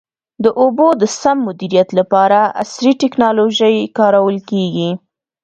د اوبو د سم مدیریت لپاره عصري ټکنالوژي کارول کېږي.